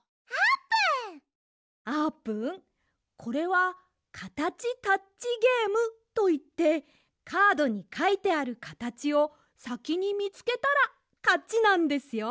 あーぷんこれは「カタチタッチゲーム」といってカードにかいてあるカタチをさきにみつけたらかちなんですよ！